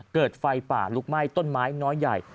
เกิดไฟป่าลุกไหม้ต้นไม้น้อยใหญ่